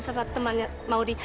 sama temannya maudie